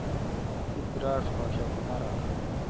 تی دراش خوش آں کہ ماراش؟